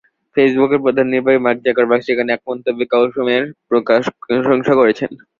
ফেসবুকের প্রধান নির্বাহী মার্ক জাকারবার্গ সেখানে এক মন্তব্যে কউমের প্রশংসা করেছেন।